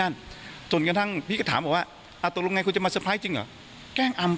นั่นจนกระทั่งพี่ก็ถามว่าอ่าตรงไหนเขาจะมาจริงเหรอแกล้งอำ